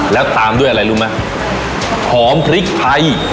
แล้วตามด้วยอะไรรู้ไหมหอมพริกไทย